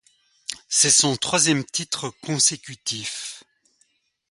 C’est son troisième titre consécutif.